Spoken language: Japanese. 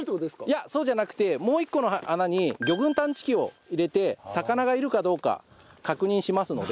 いやそうじゃなくてもう１個の穴に魚群探知機を入れて魚がいるかどうか確認しますので。